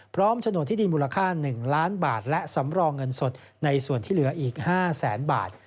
โฉนดที่ดินมูลค่า๑ล้านบาทและสำรองเงินสดในส่วนที่เหลืออีก๕แสนบาท